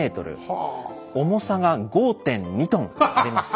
重さが５．２トンあります。